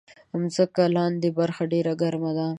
مځکه لاندې برخه ډېره ګرمه ده.